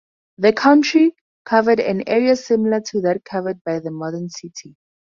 The county covered an area similar to that covered by the modern city.